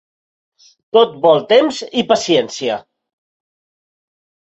Tot vol temps i paciència.